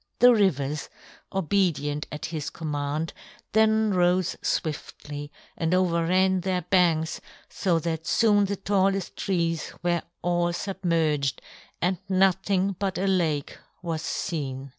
The rivers, obedient at his command, then rose swiftly and overran their banks so that soon the tallest trees were all submerged, and nothing but a lake was seen.